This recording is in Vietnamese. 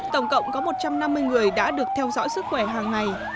tổng cộng có một trăm năm mươi người đã được theo dõi sức khỏe hàng ngày